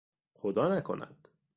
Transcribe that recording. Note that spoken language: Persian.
خدا نکند!